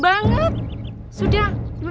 bawa dia masuk